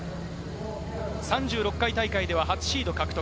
３６回大会では初シード獲得。